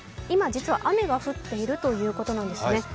今、実は雨が降っているということなんですね。